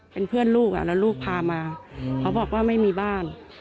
เป็นเพื่อนลูกแล้วลูกพามาเขาบอกว่าไม่มีบ้าน